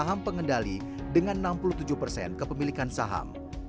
saham pengendali dengan enam puluh tujuh persen kepemilikan saham